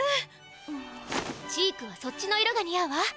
チークはそっちの色がにあうわ。